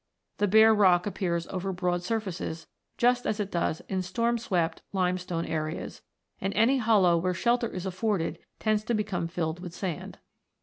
The bare rock appears over broad surfaces, just as it does in storm swept limestone areas, and any hollow where shelter is afforded tends to become filled with sand (see Fig.